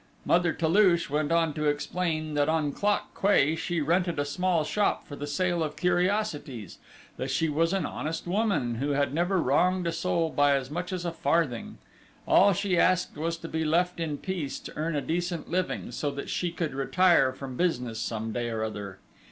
Mother Toulouche went on to explain that on Clock Quay she rented a small shop for the sale of curiosities: that she was an honest woman, who had never wronged a soul by as much as a farthing: all she asked was to be left in peace to earn a decent living, so that she could retire from business some day or other....